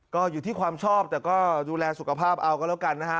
ก็อยู่ที่ความชอบแต่ก็ดูแลสุขภาพเอาก็แล้วกันนะฮะ